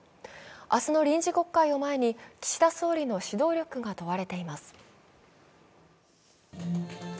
明日の臨時国会を前に岸田総理の指導力が問われています。